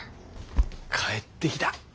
帰ってきた。